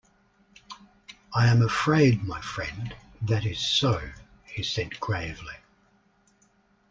"I am afraid, my friend, that is so," he said gravely.